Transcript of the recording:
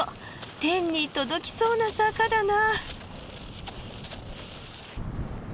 天に届きそうな坂だな。